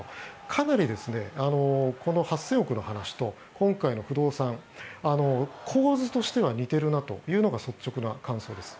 かなりこの８０００億の話と今回の不動産構図としては似ているなというのが率直な感想です。